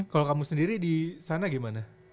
kalau kamu sendiri di sana gimana